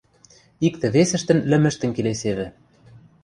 Иктӹ-весӹштӹн лӹмӹштӹм келесевӹ.